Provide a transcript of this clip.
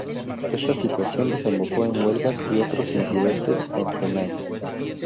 Esta situación desembocó en huelgas y otros incidentes en Penang.